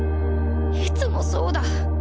いつもそうだ